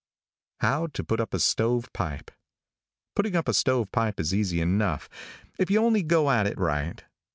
HOW TO PUT UP A STOVE PIPE. |PUTTING up stove pipe is easy enough, if you only go at it right.